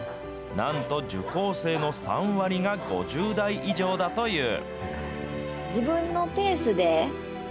なんと受講生の３割が５０代以上だという。